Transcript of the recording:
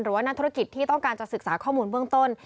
ว่านักธุรกิจที่ต้องการจะศึกษาข้อมูลเบื้องต้น